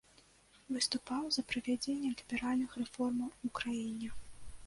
Выступаў за правядзенне ліберальных рэформаў у краіне.